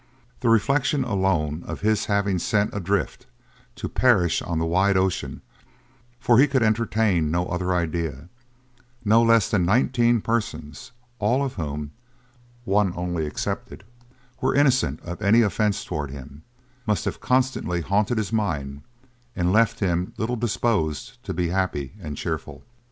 The reflection alone of his having sent adrift, to perish on the wide ocean, for he could entertain no other idea, no less than nineteen persons, all of whom, one only excepted, were innocent of any offence towards him, must have constantly haunted his mind, and left him little disposed to be happy and cheerful.